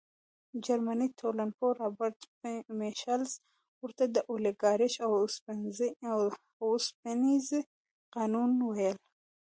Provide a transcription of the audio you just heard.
جرمني ټولنپوه رابرټ میشلز ورته د اولیګارشۍ اوسپنیز قانون ویلي.